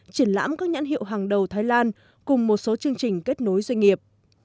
triển lãm các nhãn hiệu hàng đầu thái lan cùng một số chương trình kết nối doanh nghiệp